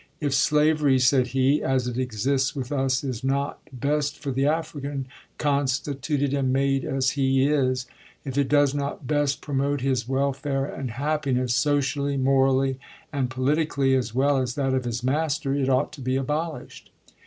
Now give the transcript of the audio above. "If slavery," said he, "as it exists with us is not best for the African, constituted and made as he is, if it does not best promote his welfare and happiness, socially, mor ally, and politically, as well as that of his master, it ought to be abolished."